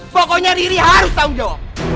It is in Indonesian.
pokoknya diri harus tanggung jawab